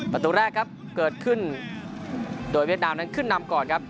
ประตูแรกครับเกิดขึ้นโดยเวียดนามนั้นขึ้นนำก่อนครับ